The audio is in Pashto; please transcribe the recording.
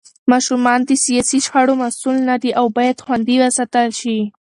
ماشومان د سياسي شخړو مسوول نه دي او بايد خوندي وساتل شي.